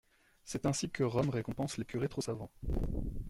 C'est ainsi que Rome récompense les curés trop savants.